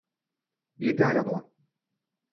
Il était arrière droit.